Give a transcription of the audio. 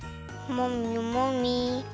もみもみ！